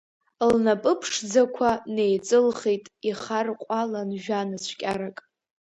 Лнапы ԥшӡақәа неиҵылхит, ихарҟәалан жәа-нацәкьарак.